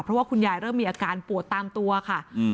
เพราะว่าคุณยายเริ่มมีอาการปวดตามตัวค่ะ